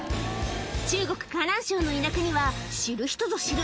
中国河南省の田舎には知る人ぞ知る